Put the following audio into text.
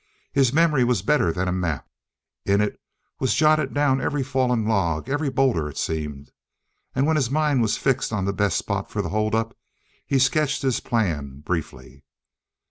His memory was better than a map; in it was jotted down every fallen log, every boulder, it seemed. And when his mind was fixed on the best spot for the holdup, he sketched his plan briefly.